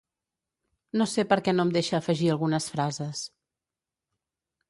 No sé per què no em deixa afegir algunes frases.